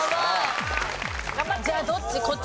じゃあどっち？